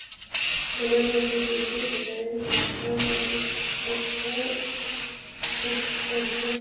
মনের মাঝে তুমি, হৃদয়ের কথা, মাটির ঠিকানাসহ একাধিক সফল ছবিতে অভিনয় করেন।